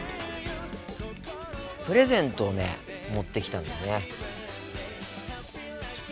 プレゼントをね持ってきたんだよね。